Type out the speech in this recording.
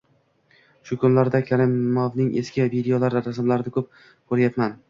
Shu kunlarda Karimovning eski videolari, rasmlarini ko‘p ko‘ryapman.